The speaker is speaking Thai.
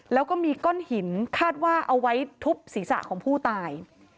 แล้วก็มีก้อนหินคาดว่าเอาไว้ทุบศีรษะของผู้ตาย